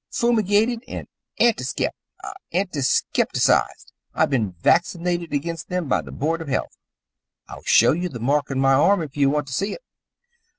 Fumigated and antiskep antiskepticized. I've been vaccinated against them by the Board of Health. I'll show you the mark on my arm, if you want to see it."